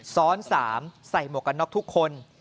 ซ้อน๓ใส่มกณะทุกคน